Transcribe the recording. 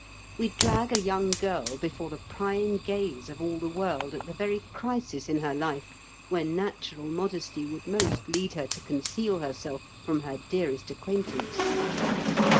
We drag a young girl before the prying gaze of all the world at the very crisis in her life, when natural modesty would most lead her to conceal herself from her dearest acquaintance.